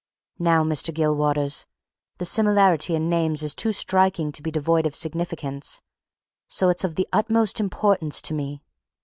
Now, Mr. Gilwaters, the similarity in names is too striking to be devoid of significance. So it's of the utmost importance to me!